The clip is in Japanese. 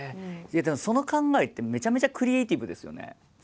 その考えってめちゃめちゃクリエイティブですよね。